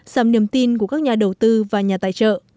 giảm niềm tin của các nhà đầu tư và nhà tài trợ